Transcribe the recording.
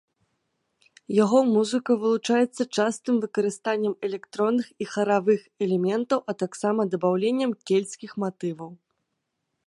Яго музыка вылучаецца частым выкарыстаннем электронных і харавых элементаў, а таксама дабаўленнем кельцкіх матываў.